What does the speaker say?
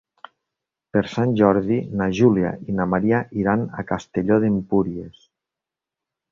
Per Sant Jordi na Júlia i na Maria iran a Castelló d'Empúries.